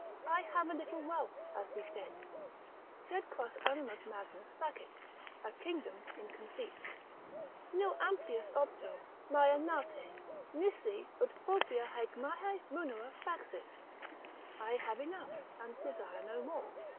I have a little wealth, as he said, sed quas animus magnas facit, a kingdom in conceit; ———nil amplius opto Maia nate, nisi ut propria haec mihi munera faxis; I have enough and desire no more.